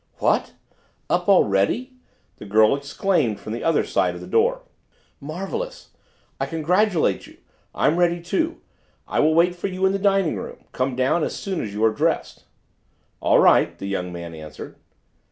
"What? up already?" the girl exclaimed from the other side of the door. "Marvellous! I congratulate you. I'm ready too; I will wait for you in the dining room. Come down as soon as you are dressed." "All right!" the young man answered.